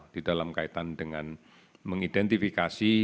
di dalam kaitan dengan mengidentifikasi